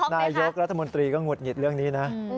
นายกรัฐมนตรีก็หงุดหงิดเรื่องนี้นะ